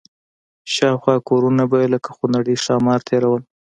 شاوخوا کورونه به یې لکه خونړي ښامار تېرول.